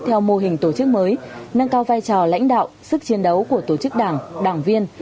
theo mô hình tổ chức mới nâng cao vai trò lãnh đạo sức chiến đấu của tổ chức đảng đảng viên